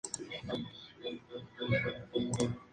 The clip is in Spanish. Es un ave que se localiza en Colombia, Ecuador, Perú y Venezuela.